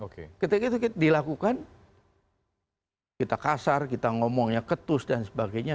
ketika itu dilakukan kita kasar kita ngomongnya ketus dan sebagainya